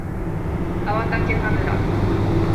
アバタケタブラ